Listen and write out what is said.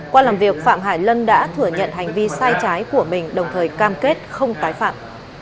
qua làm việc phạm hải lân đã thừa nhận hành vi sai trái của mình đồng thời cam kết không tái phạm